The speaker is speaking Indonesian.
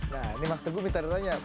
nah ini mas teguh minta tanya